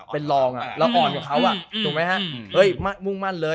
เป็นรองเราอ่อนกว่าเขาถูกไหมฮะเฮ้ยมุ่งมั่นเลย